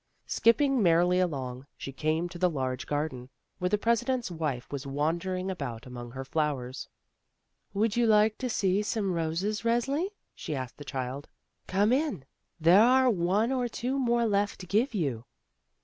Skipping merrily along, she came to the A LITTLE HELPER 23 large garden, where the President's wife was wandering about among her flowers. "Would you like some more roses, Resli?" she asked the child. "Come in, there are one or two more left to give you."